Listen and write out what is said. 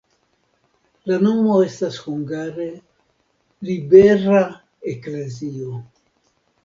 La nomo estas hungare libera-eklezio.